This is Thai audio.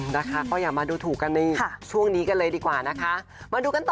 นะคะก็อย่ามาดูถูกกันในช่วงนี้กันเลยดีกว่านะคะมาดูกันต่อ